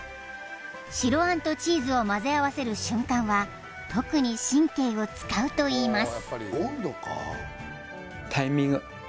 白あんとチーズを混ぜ合わせる瞬間は特に神経を使うといいます